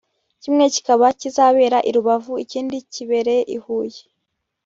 kimwe kikaba kizabera i Rubavu ikindi kibere i Huye